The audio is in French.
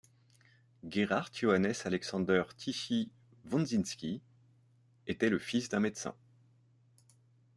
Gerhard Johannes Alexander Tichy Wondzinski était le fils d'un médecin.